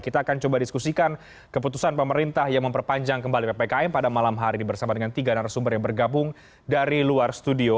kita akan coba diskusikan keputusan pemerintah yang memperpanjang kembali ppkm pada malam hari ini bersama dengan tiga narasumber yang bergabung dari luar studio